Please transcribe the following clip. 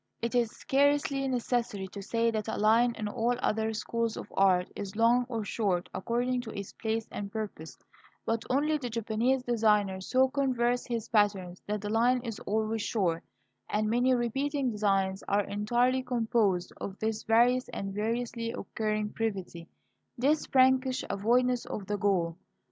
It is scarcely necessary to say that a line, in all other schools of art, is long or short according to its place and purpose; but only the Japanese designer so contrives his patterns that the line is always short; and many repeating designs are entirely composed of this various and variously occurring brevity, this prankish avoidance of the goal.